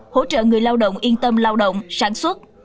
hỗ trợ người lao động yên tâm lao động sản xuất